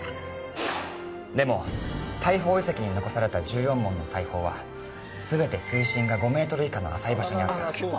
でも大砲遺跡に残された１４門の大砲は全て水深が５ｍ以下の浅い場所にあった。